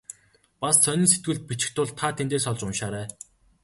Бас сонин сэтгүүлд бичих тул та тэндээс олж уншаарай.